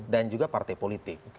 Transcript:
dan juga partai politik